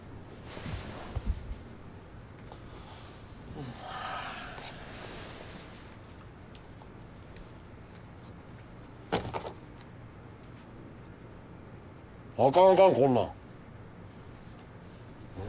あかんあかんこんなん。